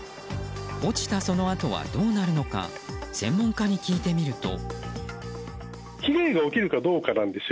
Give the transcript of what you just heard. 落ちたそのあとはどうなるのか専門家に聞いてみると。